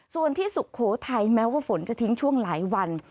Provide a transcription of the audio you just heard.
ส่วนที่สุโขทัยแม้ว่าฝนจะทิ้งช่วงหลายวัน